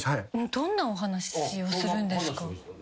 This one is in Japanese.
どんなお話をするんですか。